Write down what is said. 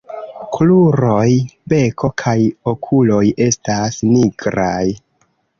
Kruroj, beko kaj okuloj estas nigraj.